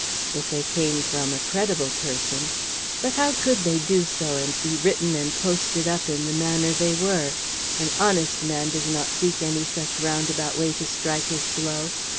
If they came from a credible person but how could they do so and be written and posted up in the manner they were? An honest man does not seek any such roundabout way to strike his blow.